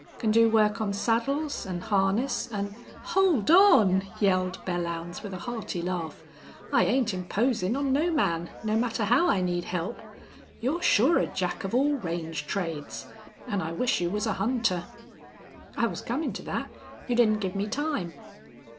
Can do work on saddles an' harness, an " "Hold on!" yelled Belllounds, with a hearty laugh. "I ain't imposin' on no man, no matter how I need help. You're sure a jack of all range trades. An' I wish you was a hunter." "I was comin' to that. You didn't give me time."